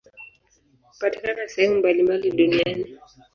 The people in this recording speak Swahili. Hupatikana sehemu mbalimbali duniani.